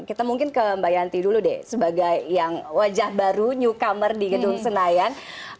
kita mungkin ke mbak yanti dulu deh sebagai yang wajah baru newcomer di gedung senayan